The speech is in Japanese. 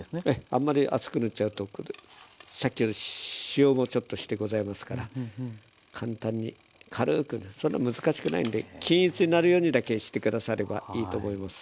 あんまり厚く塗っちゃうとさっきの塩もちょっとしてございますから簡単に軽くでそんな難しくないんで均一になるようにだけして下さればいいと思います。